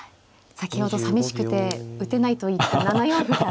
先ほどさみしくて打てないと言った７四歩が。